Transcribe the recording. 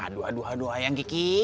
aduh aduh aduh ayang kiki